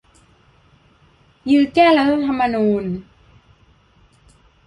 ยื้อแก้รัฐธรรมนูญ !